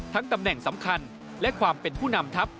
ตำแหน่งสำคัญและความเป็นผู้นำทัพ